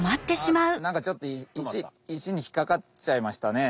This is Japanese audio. なんかちょっと石に引っかかっちゃいましたね。